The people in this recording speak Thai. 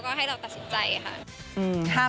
ก็ให้เราตัดสินใจค่ะ